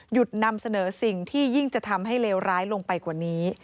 นำเสนอสิ่งที่ยิ่งจะทำให้เลวร้ายลงไปกว่านี้